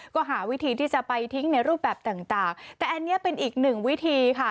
ก็หาวิธีที่จะไปทิ้งในรูปแบบต่างแต่อันนี้เป็นอีกหนึ่งวิธีค่ะ